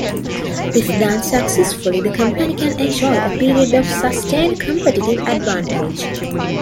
If done successfully, the company can enjoy a period of sustained competitive advantage.